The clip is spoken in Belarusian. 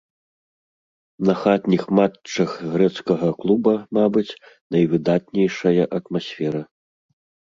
На хатніх матчах грэцкага клуба, мабыць, найвыдатнейшая атмасфера.